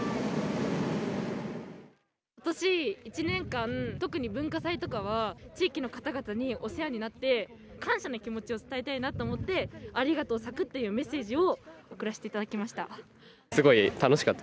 ことし１年間、特に文化祭とかは地域の方々にお世話になって感謝の気持ちを伝えたいなと思ってありがとう佐久というメッセージをおくらせていただきました。